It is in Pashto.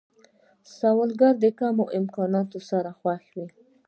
سوالګر د کمو امکاناتو سره خوښ وي